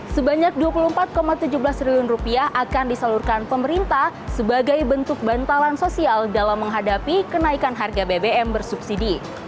sebanyak dua puluh empat tujuh belas triliun akan disalurkan pemerintah sebagai bentuk bantalan sosial dalam menghadapi kenaikan harga bbm bersubsidi